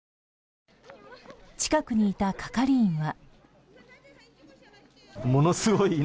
近くにいた係員は。